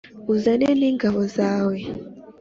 uzane n'ingabo zawe